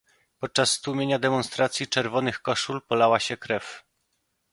Podczas stłumienia demonstracji "Czerwonych Koszul" polała się krew